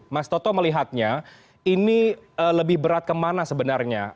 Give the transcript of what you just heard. mas toto melihatnya ini lebih berat kemana sebenarnya